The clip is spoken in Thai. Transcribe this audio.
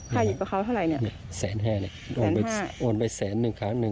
อยู่กับเขาเท่าไหร่เนี่ยแสนห้าเนี่ยโอนไปโอนไปแสนหนึ่งครั้งหนึ่ง